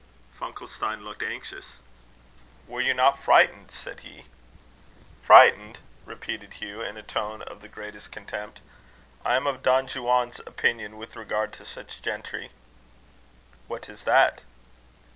Funkelstein looked anxious. "Were you frightened?" said he. "Frightened!" repeated Hugh, in a tone of the greatest contempt. "I am of Don Juan's opinion with regard to such gentry." "What is that?"